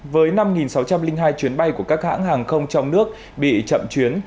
với năm sáu trăm linh hai chuyến bay của các hãng hàng không trong nước bị chậm chuyến